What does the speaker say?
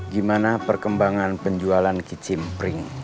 gimana perkembangan penjualan kicimpring